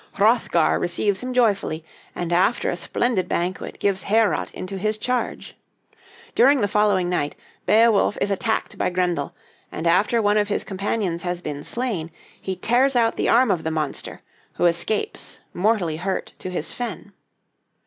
Hrothgar receives him joyfully, and after a splendid banquet gives Heorot into his charge. During the following night, Beowulf is attacked by Grendel; and after one of his companions has been slain, he tears out the arm of the monster, who escapes, mortally hurt, to his fen.